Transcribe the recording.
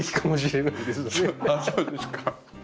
そうですか？